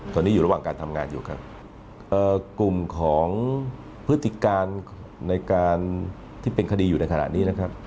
ตอนนี้อยู่ระหว่างการทำงานอยู่ครับเอ่อกลุ่มของพฤติการในการที่เป็นคดีอยู่ในขณะนี้นะครับ